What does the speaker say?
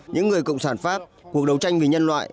những người cộng sản pháp cuộc đấu tranh vì nhân loại